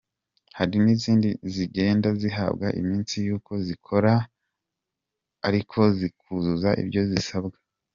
Hari n’izindi zigenda zihabwa iminsi yo kuba zikora ariko zikuzuza ibyo zisabwa.